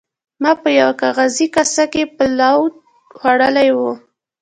ما په یوه کاغذي کاسه کې پلاو خوړلی و.